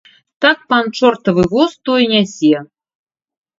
Так пан чортавы воз той нясе.